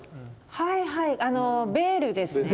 はいはいベールですね。